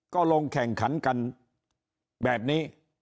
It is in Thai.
ก็ลงแข่งขันกันแบบนี้